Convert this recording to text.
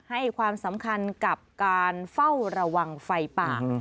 ให้ความสำคัญกับการเฝ้าระวังไฟป่า